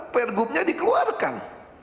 per gubnya dikeluarkan